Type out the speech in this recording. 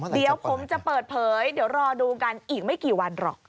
เดี๋ยวผมจะเปิดเผยเดี๋ยวรอดูกันอีกไม่กี่วันหรอก